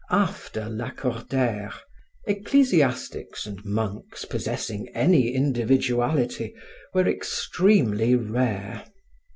After Lacordaire, ecclesiastics and monks possessing any individuality were extremely rare.